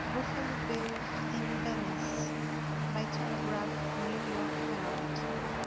]BUFFALO BILL IN VENICE. (By Telegraph, New York Herald.)